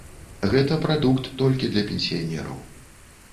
Гэта прадукт толькі для пенсіянераў.